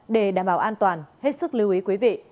để đảm bảo an toàn hết sức lưu ý quý vị